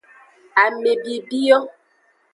Ame bibi yo.